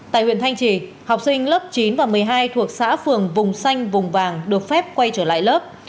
tại huyện thanh trì học sinh lớp chín và một mươi hai thuộc xã phường vùng xanh vùng vàng được phép quay trở lại lớp